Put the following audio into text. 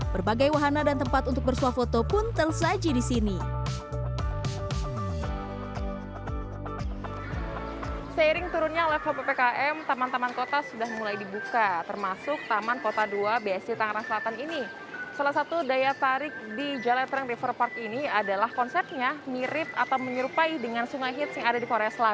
berbagai wahana dan tempat untuk bersuah foto pun tersaji di sini